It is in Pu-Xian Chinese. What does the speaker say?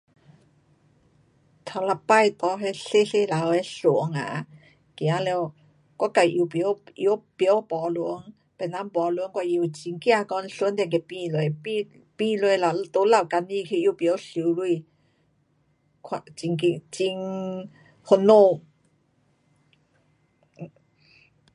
第一次扒那小小头的船啊，走了我自又不会扒船，别人扒船我又很怕讲船等被翻下，翻下了都掉江底去又不晓游泳。看很快，很烦恼。